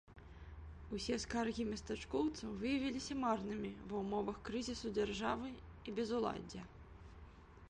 Усе скаргі местачкоўцаў выявіліся марнымі ва ўмовах крызісу дзяржавы і безуладдзя.